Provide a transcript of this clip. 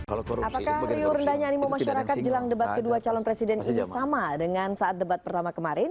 apakah riuh rendahnya animo masyarakat jelang debat kedua calon presiden ini sama dengan saat debat pertama kemarin